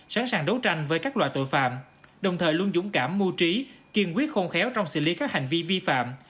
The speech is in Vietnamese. sẵn sàng đấu tranh với các loại tội phạm đồng thời luôn dũng cảm mu trí kiên quyết khôn khéo trong xử lý các hành vi vi phạm